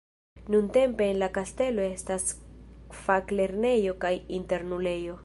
Nuntempe en la kastelo estas faklernejo kaj internulejo.